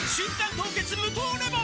凍結無糖レモン」